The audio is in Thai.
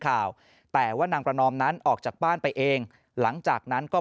ข่าวแต่ว่านางประนอมนั้นออกจากบ้านไปเองหลังจากนั้นก็